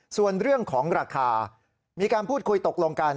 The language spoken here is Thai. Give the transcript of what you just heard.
ส่วนเรื่องของราคามีการพูดคุยตกลงกัน